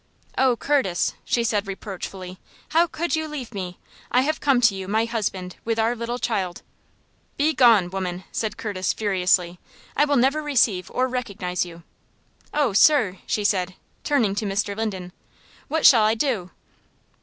"Oh, Curtis," she said, reproachfully. "How could you leave me? I have come to you, my husband, with our little child." "Begone! woman!" said Curtis, furiously. "I will never receive or recognize you!" "Oh, sir!" she said, turning to Mr. Linden, "what shall I do?"